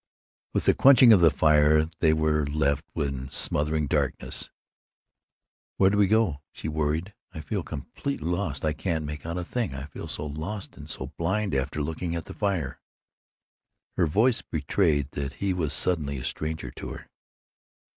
With the quenching of the fire they were left in smothering darkness. "Where do we go?" she worried. "I feel completely lost. I can't make out a thing. I feel so lost and so blind, after looking at the fire." Her voice betrayed that he was suddenly a stranger to her.